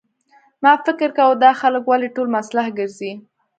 ما فکر کاوه دا خلک ولې ټول مسلح ګرځي.